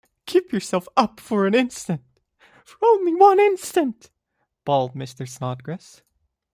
‘Keep yourself up for an instant — for only one instant!’ bawled Mr. Snodgrass.